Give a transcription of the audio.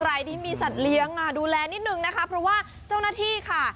ใครที่มีสัตว์เลี้ยงดูแลนิดนึงนะคะเพราะว่าเจ้าหน้าที่ค่ะ